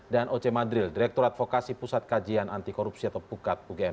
dan oce madril direkturat vokasi pusat kajian anti korupsi atau pukat ugm